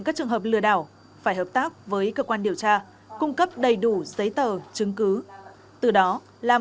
các trường hợp lừa đảo phải hợp tác với cơ quan điều tra cung cấp đầy đủ giấy tờ chứng cứ từ đó làm